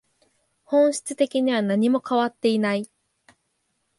本質的には何も変わっていない